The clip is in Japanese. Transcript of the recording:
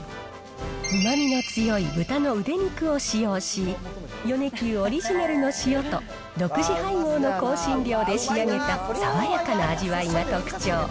うまみの強い豚の腕肉を使用し、米久オリジナルの塩と、独自配合の香辛料で仕上げた爽やかな味わいが特徴。